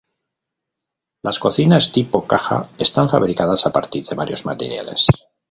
Las cocinas tipo caja, están fabricadas a partir de varios materiales.